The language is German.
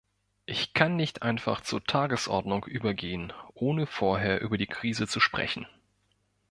Ich kann nicht einfach zur Tagesordnung übergehen, ohne vorher über die Krise zu sprechen.